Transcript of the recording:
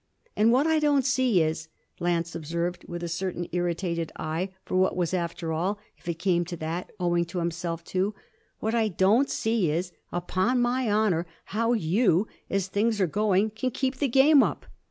'And what I don't see is,' Lance observed with a certain irritated eye for what was after all, if it came to that, owing to himself too; 'what I don't see is, upon my honour, how you, as things are going, can keep the game up.'